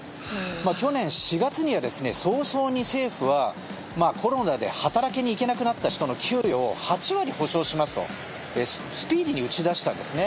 去年４月には、早々に政府はコロナで働きに行けなくなった人の給与を８割補償しますとスピーディーに打ち出したんですね。